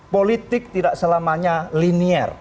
politik tidak selamanya linear